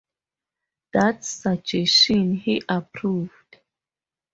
That suggestion he approved.